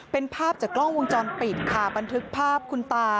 เป็นภาพจากกล้องวงจรปิดค่ะบันทึกภาพคุณตา